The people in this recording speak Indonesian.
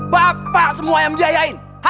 bapak semua yang jaya dengan ulan